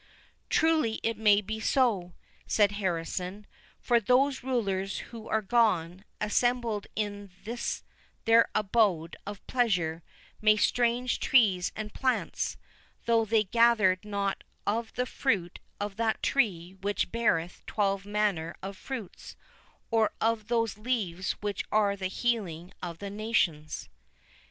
"Truly, it may be so," said Harrison; "for those rulers who are gone, assembled in this their abode of pleasure many strange trees and plants, though they gathered not of the fruit of that tree which beareth twelve manner of fruits, or of those leaves which are for the healing of the nations."